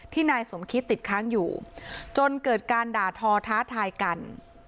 นายสมคิดติดค้างอยู่จนเกิดการด่าทอท้าทายกัน